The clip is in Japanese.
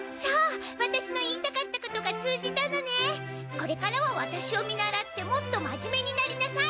これからはワタシを見習ってもっとまじめになりなさい！